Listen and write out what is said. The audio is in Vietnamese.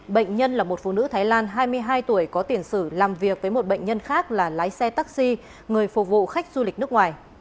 bệnh nhân là một phụ nữ thái lan hai mươi hai tuổi có tiền sử làm việc với một bệnh nhân khác là lái xe taxi người phục vụ khách du lịch nước ngoài